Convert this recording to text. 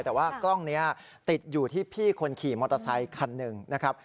แต่ว่ากล้องนี้ติดอยู่ที่พี่คนขี่มอเตอร์ไซคันหนึ่งนะครับ